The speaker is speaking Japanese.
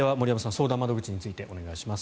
相談窓口についてお願いします。